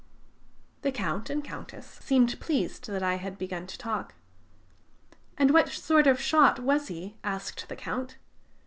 The Count and Countess seemed pleased that I had begun to talk. "And what sort of a shot was he?" asked the Count.